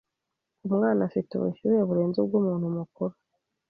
Umwana afite ubushyuhe burenze ubw'umuntu mukuru.